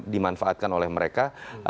dimanfaatkan oleh mereka